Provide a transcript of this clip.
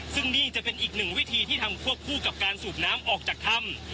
ซึ่งนี่จะเป็นอีกหนึ่งวิธีที่ทำควบคู่กับการสูบน้ำออกจากถ้ำ